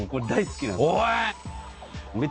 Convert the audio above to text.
おい！